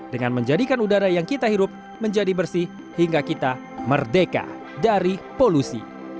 dengan menjadikan udara yang kita hirup menjadi bersih hingga kita merdeka dari polusi